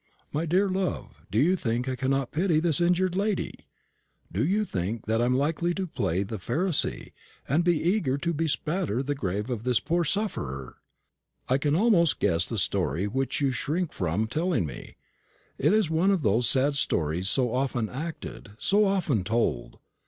"My dear love, do you think I cannot pity this injured lady? Do you think I am likely to play the Pharisee, and be eager to bespatter the grave of this poor sufferer? I can almost guess the story which you shrink from telling me it is one of those sad histories so often acted, so often told.